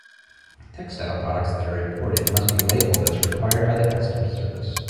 Textile products that are imported must be labeled as required by the Customs Service.